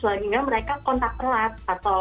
sehingga mereka kontak selengahnya ke tauntes agrarkanut